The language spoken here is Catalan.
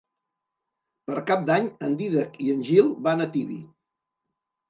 Per Cap d'Any en Dídac i en Gil van a Tibi.